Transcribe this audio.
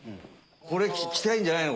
これ着たいんじゃないの？